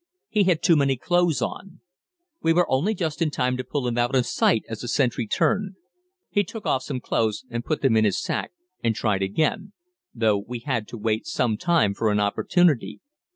He had too many clothes on. We were only just in time to pull him out of sight as the sentry turned. He took off some clothes and put them in his sack and tried again, though we had to wait some time for an opportunity.